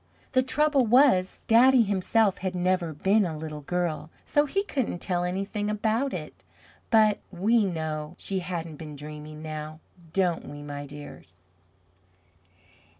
The trouble was, Daddy himself had never been a Little Girl, so he couldn't tell anything about it, but we know she hadn't been dreaming, now, don't we, my dears?